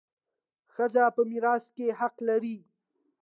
ښځه په میراث کي حق لري.